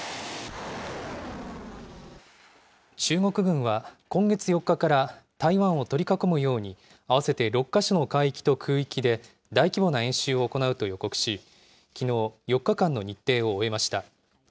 中国軍は今月４日から台湾を取り囲むように、合わせて６か所の海域と空域で大規模な演習を行うと予告し、きのう、４日間の日程を終えました。